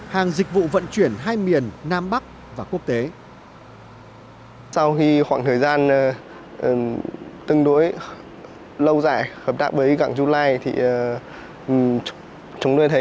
hàng dịch vụ vận chuyển hai miền nam bắc và quốc tế